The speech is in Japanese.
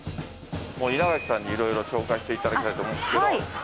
稲垣さんに色々紹介していただきたいと思うんですけど。